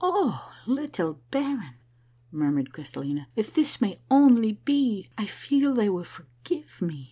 " O little baron," murmured Crystallina, " if this may only be ! I feel they will forgive me.